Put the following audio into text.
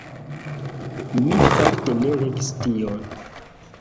Mi fakte ne legis tion.